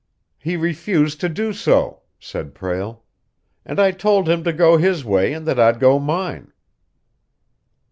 "He refused to do so," said Prale, "and I told him to go his way and that I'd go mine."